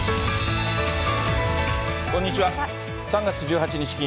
３月１８日